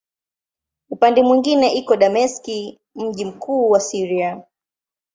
Upande mwingine iko Dameski, mji mkuu wa Syria.